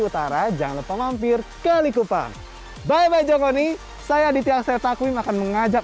utara jangan lupa mampir ke likupang bye bye jokoni saya aditya aksetakwim akan mengajak